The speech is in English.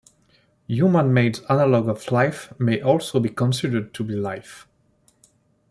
Human-made analogs of life may also be considered to be life.